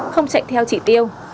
không chạy theo chỉ tiêu